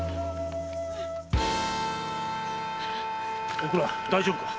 おくら大丈夫か？